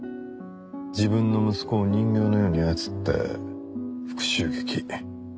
自分の息子を人形のように操って復讐劇遂げたように。